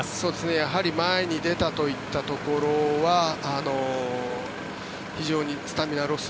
やはり前に出たといったところは非常にスタミナロス。